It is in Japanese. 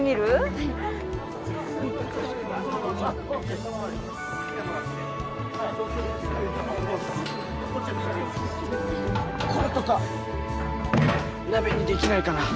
はいこれとか鍋にできないかな？